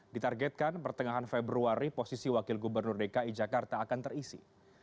ditargetkan pertengahan februari posisi wakil gubernur dki jakarta akan terisi